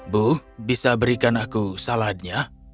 bu bisa berikan aku saladnya